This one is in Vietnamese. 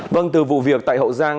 vâng từ vụ việc tại hậu giang